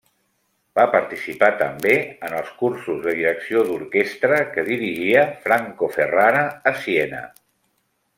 Va participar també en els cursos de direcció d'orquestra que dirigia Franco Ferrara a Siena.